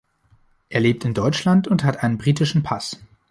Er lebt in Deutschland und hat einen britischen Pass.